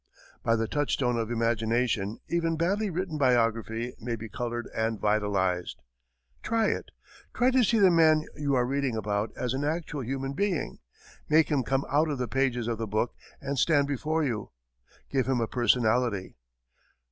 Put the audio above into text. By the touchstone of imagination, even badly written biography may be colored and vitalized. Try it try to see the man you are reading about as an actual human being; make him come out of the pages of the book and stand before you; give him a personality.